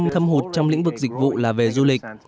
bảy mươi thâm hụt trong lĩnh vực dịch vụ là về du lịch